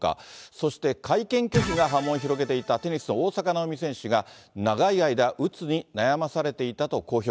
そして会見拒否が波紋を広げていたテニスの大坂なおみ選手が、長い間、うつに悩まされていたと公表。